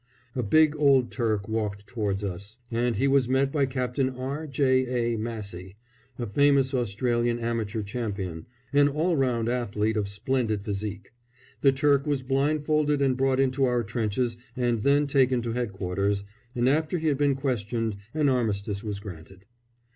A big old Turk walked towards us, and he was met by Captain R. J. A. Massie, a famous Australian amateur champion, an all round athlete of splendid physique. The Turk was blindfolded and brought into our trenches and then taken to headquarters, and after he had been questioned an armistice was granted.